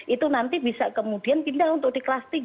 itu nanti bisa kemudian pindah untuk di kelas tiga